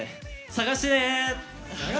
探してね！